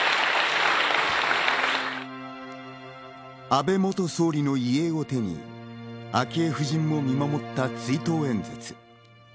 安倍元総理の遺影を手に、昭恵夫人も見守った追悼演説。